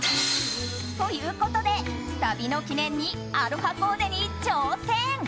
ということで、旅の記念にアロハコーデに挑戦。